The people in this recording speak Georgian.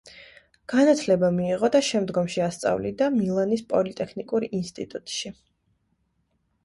განათლება მიიღო და შემდგომში ასწავლიდა მილანის პოლიტექნიკურ ინსტიტუტში.